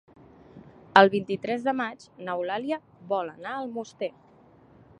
El vint-i-tres de maig n'Eulàlia vol anar a Almoster.